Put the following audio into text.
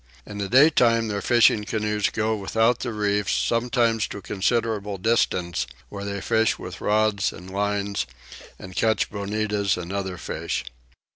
In the daytime their fishing canoes go without the reefs, sometimes to a considerable distance, where they fish with rods and lines and catch bonetas and other fish.